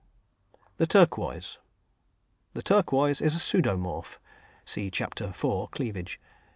The Turquoise. The turquoise is a pseudomorph (see Chapter IV., "Cleavage.")